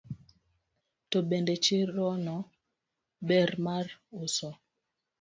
To bende chirono ber mar uso.